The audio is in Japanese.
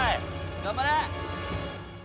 頑張れ！